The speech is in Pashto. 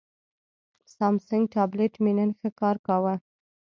سامسنګ ټابلیټ مې نن ښه کار کاوه.